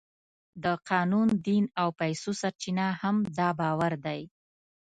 د قانون، دین او پیسو سرچینه هم دا باور دی.